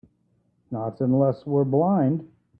Not unless we're blind.